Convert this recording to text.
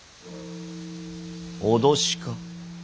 脅しか。